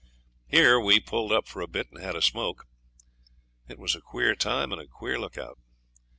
Here we pulled up for a bit and had a smoke. It was a queer time and a queer look out.